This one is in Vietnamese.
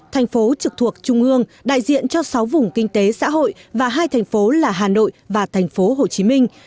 thành phố trực thuộc trung ương đại diện cho sáu vùng kinh tế xã hội và hai thành phố là hà nội và thành phố hồ chí minh